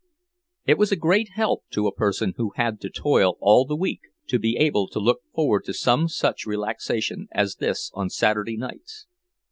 It was a great help to a person who had to toil all the week to be able to look forward to some such relaxation as this on Saturday nights.